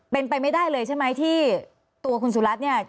เป็นไปไม่ได้เลยใช่ไหมที่ตัวคุณสุรัตน์เนี่ย